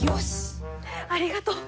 ありがとう！